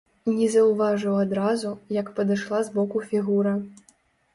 Не заўважыў адразу, як падышла збоку фігура.